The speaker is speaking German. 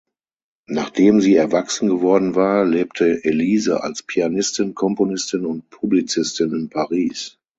Nachdem sie erwachsen geworden war, lebte Elise als Pianistin, Komponistin und Publizistin in Paris.